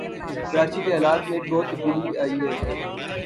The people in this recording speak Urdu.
کراچی کے حالات میں بہت تبدیلی آئی ہے